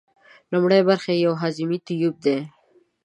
لومړۍ برخه یې یو هضمي تیوپ دی.